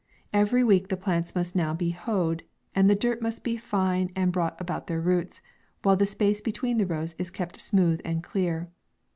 Every week the plants must now be hoed, and the dirt made fine and brought about their roots, while the space be tween the rows is kept smooth and clean.